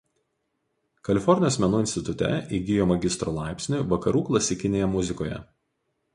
Kalifornijos menų institute įgijo magistro laipsnį Vakarų klasikinėje muzikoje.